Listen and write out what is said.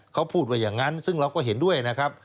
เขาพูดว่าอย่างนั้นซึ่งเราก็เห็นด้วยนะครับ